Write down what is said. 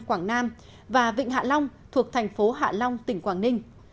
quảng nam và vịnh hạ long thuộc thành phố hạ long tỉnh quảng ninh